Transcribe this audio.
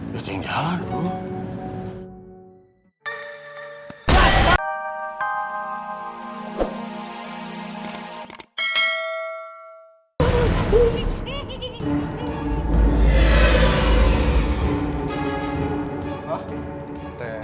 liat yang jalan tuh